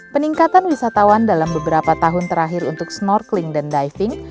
peningkatan wisatawan dalam beberapa tahun terakhir untuk snorkeling dan diving